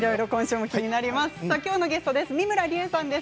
きょうのゲストです。